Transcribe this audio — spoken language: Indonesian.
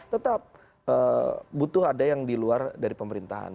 tetap butuh ada yang diluar dari pemerintahan